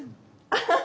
アハハ！